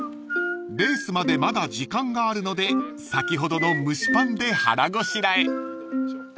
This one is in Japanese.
［レースまでまだ時間があるので先ほどの蒸しパンで腹ごしらえ］